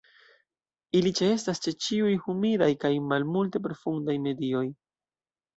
Ili ĉeestas ĉe ĉiuj humidaj kaj malmulte profundaj medioj.